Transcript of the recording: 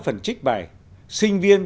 phần trích bài sinh viên